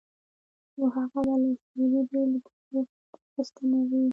نو هغه به له شعري بېلګو اخیستنه وي.